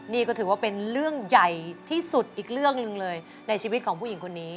นี่ก็ถือว่าเป็นเรื่องใหญ่ที่สุดอีกเรื่องหนึ่งเลยในชีวิตของผู้หญิงคนนี้